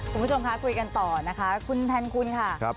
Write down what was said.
คุณผู้ชมคะคุยกันต่อนะคะคุณแทนคุณค่ะ